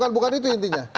itu bukan itu intinya